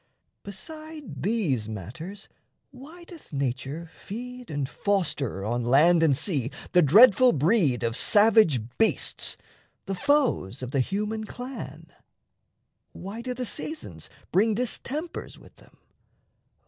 Beside these matters, why Doth nature feed and foster on land and sea The dreadful breed of savage beasts, the foes Of the human clan? Why do the seasons bring Distempers with them?